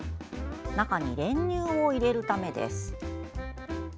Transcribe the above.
中に練乳を入れるためです。